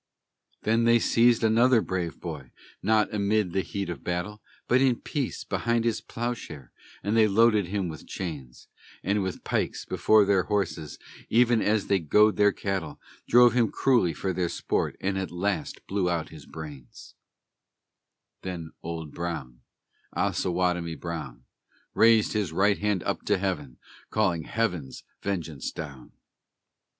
Then they seized another brave boy, not amid the heat of battle, But in peace, behind his ploughshare, and they loaded him with chains, And with pikes, before their horses, even as they goad their cattle, Drove him cruelly, for their sport, and at last blew out his brains; Then Old Brown, Osawatomie Brown, Raised his right hand up to Heaven, calling Heaven's vengeance down.